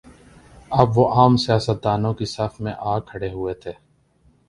اب وہ عام سیاست دانوں کی صف میں آ کھڑے ہوئے تھے۔